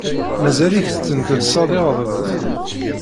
Mazal-ik tettelkensiḍ iɣeḍmen?